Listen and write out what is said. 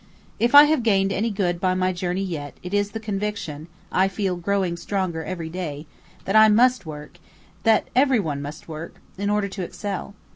If I have gained any good by my journey yet, it is the conviction, I feel growing stronger every day, that I must work, and that every one must work, in order to excel.